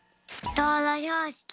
どうろひょうしき。